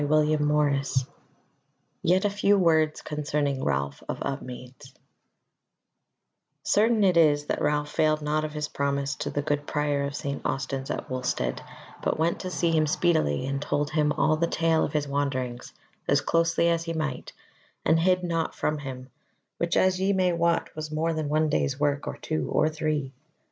CHAPTER 32 Yet a Few Words Concerning Ralph of Upmeads Certain it is that Ralph failed not of his promise to the good Prior of St. Austin's at Wulstead, but went to see him speedily, and told him all the tale of his wanderings as closely as he might, and hid naught from him; which, as ye may wot, was more than one day's work or two or three.